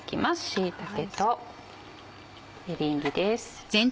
椎茸とエリンギです。